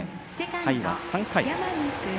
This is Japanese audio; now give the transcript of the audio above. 回は３回です。